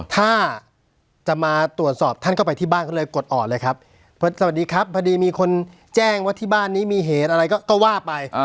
ถ้าจะมาตรวจสอบท่านก็ไปที่บ้านก็เลยกดอ่อนเลยครับสวัสดีครับพอดีมีคนแจ้งว่าที่บ้านนี้มีเหตุอะไรก็ว่าไป